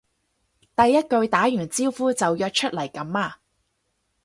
第一句打完招呼就約出嚟噉呀？